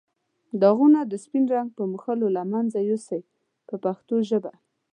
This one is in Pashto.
داغونه د سپین رنګ په مښلو له منځه یو سئ په پښتو ژبه.